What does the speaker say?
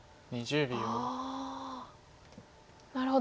ああなるほど。